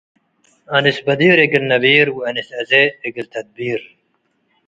አንስ በዲር እግል ነቢር ወአንስ አዜ እግል ተድቢር።